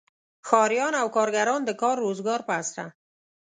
ښاریان او کارګران د کار روزګار په اسره.